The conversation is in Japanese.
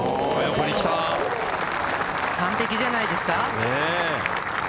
完璧じゃないですか。ねぇ。